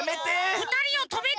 ふたりをとめて！